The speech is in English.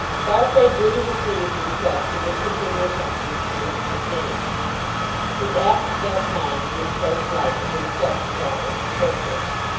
Farfrae duly received the request to discontinue attentions to Elizabeth Jane. His acts of that kind had been so slight that the request was almost superfluous.